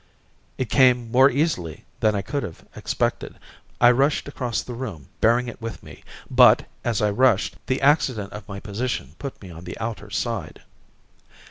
It came more easily than I could have expected. I rushed across the room, bearing it with me; but, as I rushed, the accident of my position put me upon the outer side.